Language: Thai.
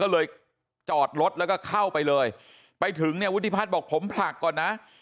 ก็เลยจอดรถแล้วก็เข้าไปเลยไปถึงเนี่ยวุฒิพัฒน์บอกผมผลักก่อนนะ